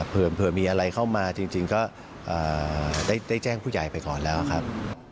เผื่อมีอะไรเข้ามาจริงก็ได้แจ้งผู้ใหญ่ไปก่อนแล้วครับ